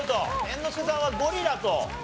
猿之助さんはゴリラと。